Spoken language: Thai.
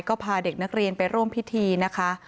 ก็พาเด็กนักเรียนไปร่วมพิธีนะคะ